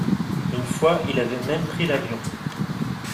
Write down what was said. Une fois, il avait même pris l’avion.